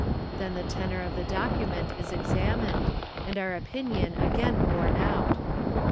Then the tenor of — the document is examined and our opinion again borne out.